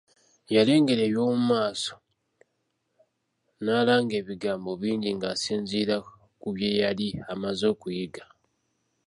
Yalengera eby'omu maaso, n'alanga ebigambo bingi ng'asinziira ku bye yali amaze okuyiga.